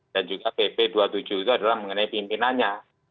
dan juga pp dua puluh tujuh itu adalah mengenai pimpinannya